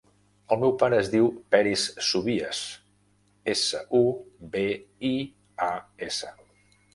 El meu pare es diu Peris Subias: essa, u, be, i, a, essa.